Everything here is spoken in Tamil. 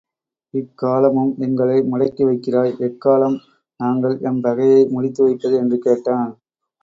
இக்காலமும் எங்களை முடக்கி வைக்கிறாய் எக்காலம் நாங்கள் எம் பகையை முடித்து வைப்பது என்று கேட்டான்.